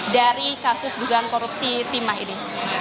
dari kasus dugaan korupsi timah ini